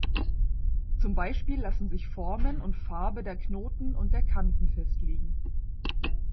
Zum Beispiel lassen sich Form und Farbe der Knoten und der Kanten festlegen.